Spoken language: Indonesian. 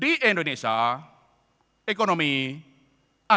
di indonesia ekonomi akan berjaya